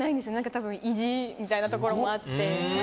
多分意地みたいなところもあって。